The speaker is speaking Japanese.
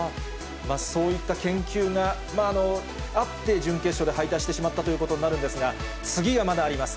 そういった研究があって、準決勝で敗退してしまったということになるんですが、次がまだあります。